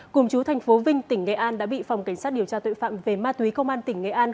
cùng chú thành phố vinh tỉnh nghệ an đã bị phòng cảnh sát điều tra tội phạm về ma túy công an tỉnh nghệ an